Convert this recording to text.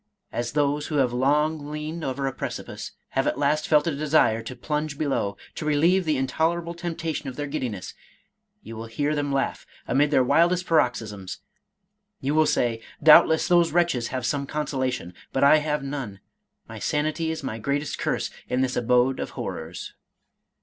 As those who have long leaned over a preci pice, have at last felt a desire to plunge below, to relieve the intolerable temptation of their giddiness,^ you will hear them laugh amid their wildest paroxysms; you will say, * Doubtless those wretches have some consolation, but I have none ; my sanity is my greatest curse in this abode of horrors.